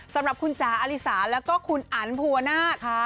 สำหรับคุณจ๋าอลิสาแล้วก็คุณอันภูวนาศ